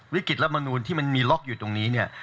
วิกฤตรรัฐมนูญที่มีล็อคอยู่ตรงนี้